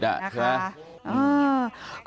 ถูกไหมค่ะ